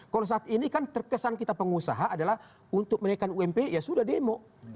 kalau saat ini kan terkesan kita pengusaha adalah untuk menaikkan ump ya sudah demo